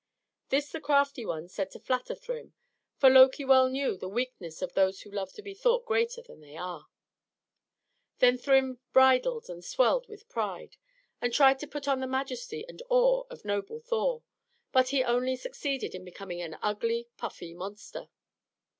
This the crafty one said to flatter Thrym, for Loki well knew the weakness of those who love to be thought greater than they are. Then Thrym bridled and swelled with pride, and tried to put on the majesty and awe of noble Thor; but he only succeeded in becoming an ugly, puffy monster.